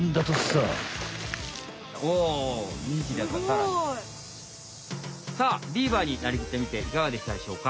すごい！さあビーバーになりきってみていかがでしたでしょうか？